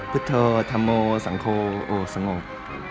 พุทธโทษธรรมสังคมโอ้สงบ